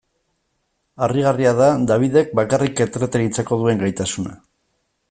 Harrigarria da Dabidek bakarrik entretenitzeko duen gaitasuna.